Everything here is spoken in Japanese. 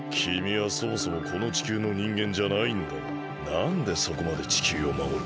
なんでそこまで地球をまもる？